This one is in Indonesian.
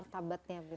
martabatnya gitu ya